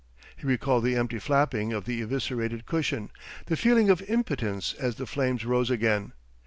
He recalled the empty flapping of the eviscerated cushion, the feeling of impotence as the flames rose again.